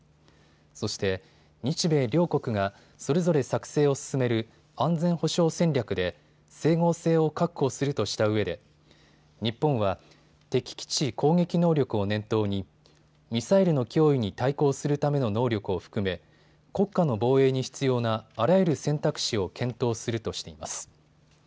そして、日米両国がそれぞれ作成を進める安全保障戦略で整合性を確保するとしたうえで日本は敵基地攻撃能力を念頭にミサイルの脅威に対抗するための能力を含め国家の防衛に必要なあらゆる選択肢を検討するとしています。